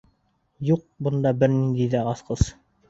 Юҡ бында бер ниндәй ҙә асҡыс!